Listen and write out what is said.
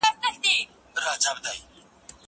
زه اجازه لرم چي نان وخورم.